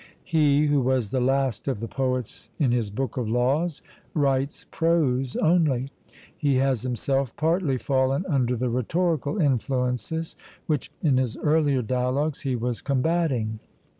He, who was 'the last of the poets,' in his book of Laws writes prose only; he has himself partly fallen under the rhetorical influences which in his earlier dialogues he was combating.